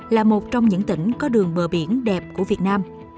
là một trong những tỉnh có đường bờ biển đẹp của việt nam